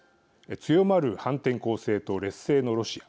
強まる反転攻勢と劣勢のロシア。